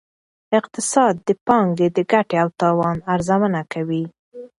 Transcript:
اقتصاد د پانګې د ګټې او تاوان ارزونه کوي.